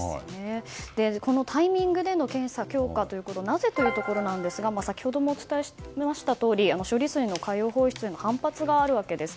このタイミングでの検査強化ということなぜというところなんですが先ほどもお伝えしましたとおり処理水の海洋放出への反発があるわけです。